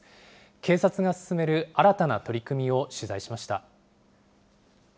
警察が進める新たな取り組みを取材しました。